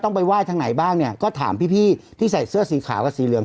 ไปไหว้ทางไหนบ้างเนี่ยก็ถามพี่พี่ที่ใส่เสื้อสีขาวกับสีเหลือง